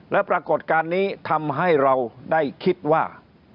และปรากฏการณ์นี้ทำให้เราได้คิดว่า